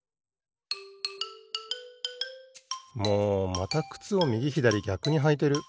もうまたくつをみぎひだりぎゃくにはいてる！